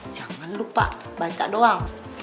jangan lupa baca doang